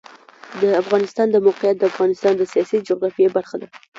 د افغانستان د موقعیت د افغانستان د سیاسي جغرافیه برخه ده.